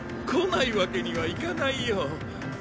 来ないわけにはいかないよ。